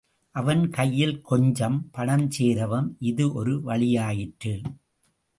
அவன் கையில் கொஞ்சம் பணம் சேரவும் இது ஒரு வழியாயிற்று.